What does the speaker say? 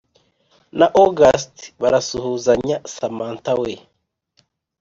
na august barasuhazanya samantha we